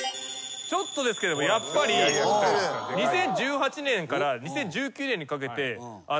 ちょっとですけれどもやっぱり２０１８年から２０１９年にかけて。